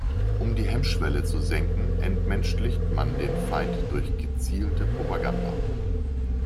Um die Hemmschwelle zu senken, entmenschlicht man den Feind durch gezielte Propaganda.